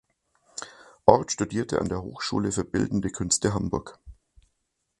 Orth studierte an der Hochschule für Bildende Künste Hamburg.